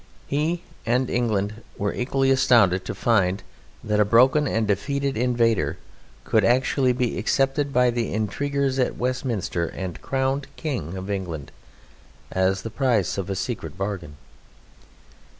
He and England were equally astounded to find that a broken and defeated invader could actually be accepted by the intriguers at Westminster and crowned King of England as the price of a secret bargain.